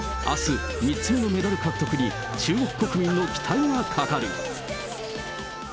あす、３つ目のメダル獲得に中国国民の期待がかかる。